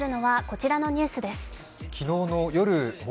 このニュースです。